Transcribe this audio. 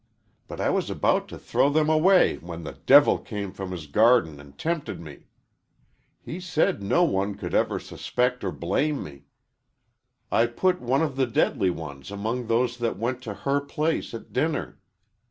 But I was about to throw them away when the devil came from his garden and tempted me. He said no one could ever suspect or blame me. I put one of the deadly ones among those that went to her place at dinner.